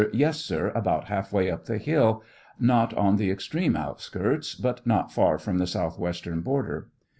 Yes, sir ; about half way up the hill ; not on the extreme outskirts, but not far from the southwestern, border.